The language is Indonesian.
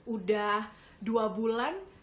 udah dua bulan